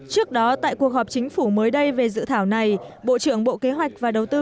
trước đó tại cuộc họp chính phủ mới đây về dự thảo này bộ trưởng bộ kế hoạch và đầu tư